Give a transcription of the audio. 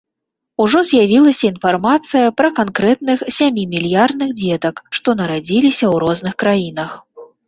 Ужо з'явілася інфармацыя пра канкрэтных сямімільярдных дзетак, што нарадзіліся ў розных краінах.